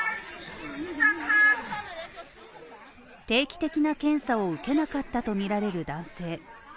定期的な検査を受けなかったとみられる男性。